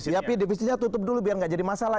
tapi defisitnya tutup dulu biar nggak jadi masalah